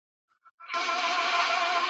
هر دولت او هر قوت لره آفت سته `